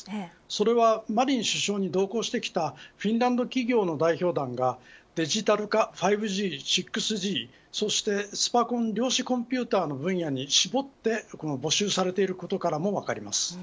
それはマリン首相に同行してきたフィンランド企業の代表団がデジタル化、５Ｇ、６Ｇそしてスパコン量子コンピューターの分野に絞って募集されていることからも分かります。